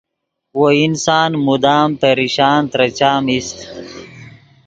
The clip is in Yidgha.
وو انسان مدام پریشان ترے چام ایست